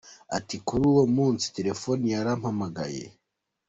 Ati “Kuri uwo munsi, telefoni yarampamaye.